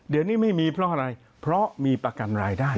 เดี๋ยวนี้ไม่มีเพราะอะไรเพราะมีประกันรายได้